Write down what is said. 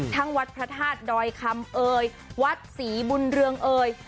วัดพระธาตุดอยคำเอ่ยวัดศรีบุญเรืองเอ่ย